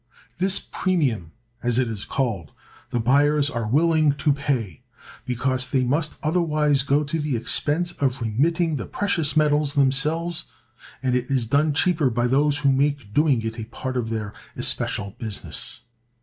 This premium (as it is called) the buyers are willing to pay, because they must otherwise go to the expense of remitting the precious metals themselves, and it is done cheaper by those who make doing it a part of their especial business.